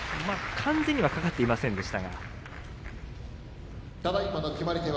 完全には掛かっていませんでした。